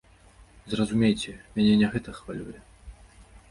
Зразумейце, мяне не гэта хвалюе.